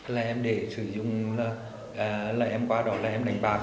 là em để sử dụng là em qua đó là em đánh bạc